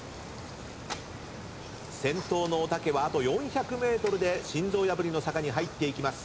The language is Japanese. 先頭のおたけはあと４００ｍで心臓破りの坂に入っていきます。